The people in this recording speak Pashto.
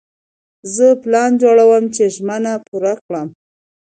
زه پلان جوړوم چې ژمنه پوره کړم.